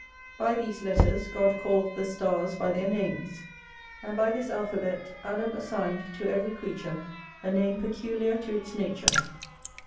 By these letters God calls the stars by their names; and by this alphabet Adam assigned to every creature a name peculiar to its nature.